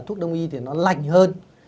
thuốc đông y thì nó lành hơn